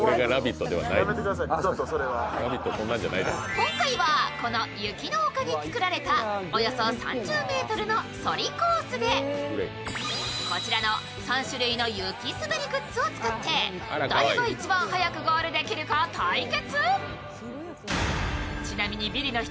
今回はこの雪の丘で作られたおよそ３０ｍのソリコースでこちらの３種類の雪滑りグッズを使って誰が一番早くゴールできるか対決。